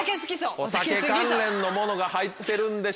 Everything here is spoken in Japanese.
お酒関連のものが入ってるんでしょうか？